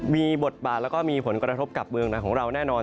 มีบทบาทแล้วก็มีผลกระทบกับเมืองไหนของเราแน่นอน